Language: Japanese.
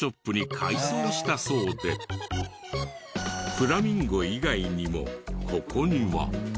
フラミンゴ以外にもここには。